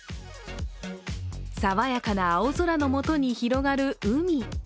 爽やかな青空のもとに広がる海。